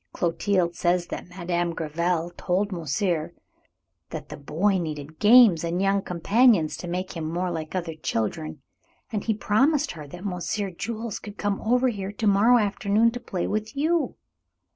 Clotilde says that Madame Gréville told monsieur that the boy needed games and young companions to make him more like other children, and he promised her that Monsieur Jules should come over here to morrow afternoon to play with you."